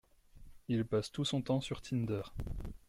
Il passe tout son temps sur Tinder.